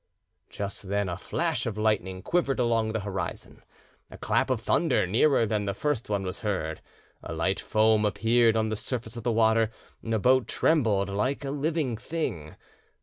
Just then a flash of lightning quivered along the horizon, a clap of thunder nearer than the first one was heard, a light foam appeared on the surface of the water, and the boat trembled like a living thing.